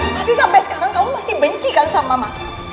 tapi sampai sekarang kamu masih benci kan sama mama